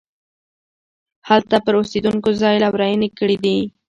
هلته پر اوسېدونکو خدای لورينې کړي دي.